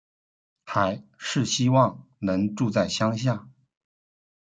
还是希望能住在乡下